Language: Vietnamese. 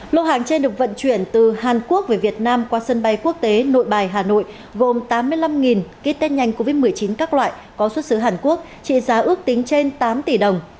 lô hàng trên được vận chuyển từ hàn quốc về việt nam qua sân bay quốc tế nội bài hà nội gồm tám mươi năm ký test nhanh covid một mươi chín các loại có xuất xứ hàn quốc trị giá ước tính trên tám tỷ đồng